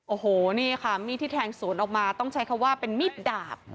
โอ้โหนี่ค่ะมีดที่แทงสวนออกมาต้องใช้คำว่าเป็นมีดดาบ